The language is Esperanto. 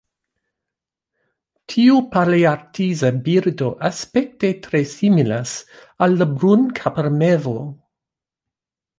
Tiu palearktisa birdo aspekte tre similas al la brunkapa mevo.